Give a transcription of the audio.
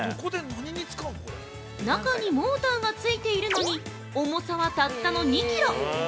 中にモーターが付いているのに、重さはたったの２キロ！